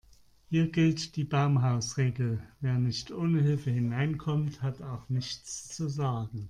Hier gilt die Baumhausregel: Wer nicht ohne Hilfe hineinkommt, hat auch nichts zu sagen.